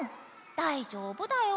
だいじょうぶだよ。